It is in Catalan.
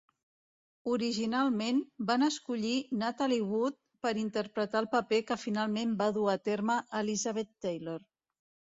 Originalment, van escollir Natalie Wood per interpretar el paper que finalment va dur a terme Elizabeth Taylor.